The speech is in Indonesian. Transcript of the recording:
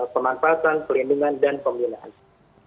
pemanfaatan pelindungan dan pembinaan